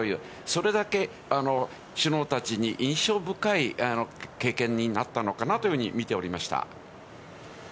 それだけ首脳たちに印象深い経験になったのかな？というふうに見ておりました。